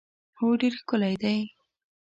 هو ډېر ښکلی دی.